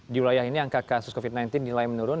di wilayah ini angka kasus covid sembilan belas nilai menurun